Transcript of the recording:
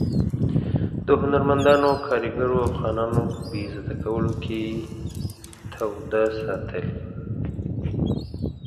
د هنرمندانو، کارګرو او خانانو په بې عزته کولو کې توده ساتلې.